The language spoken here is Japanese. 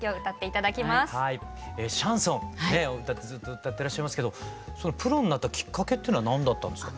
シャンソンずっと歌ってらっしゃいますけどそのプロになったきっかけというのは何だったんですか。